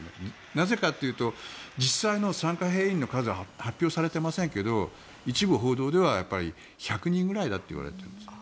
なぜかというと実際の参加兵員の数は発表されていませんが一部報道では１００人ぐらいだといわれているんです。